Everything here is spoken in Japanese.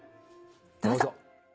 どうぞ。